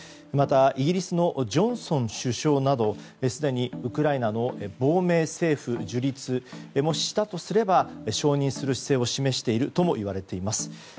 またイギリスのジョンソン首相などすでにウクライナの亡命政府の樹立をもししたとすれば承認する姿勢を示しているともいわれています。